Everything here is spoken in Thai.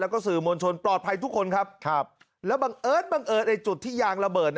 แล้วก็สื่อมวลชนปลอดภัยทุกคนครับแล้วบังเอิญบังเอิญไอ้จุดที่ยางระเบิด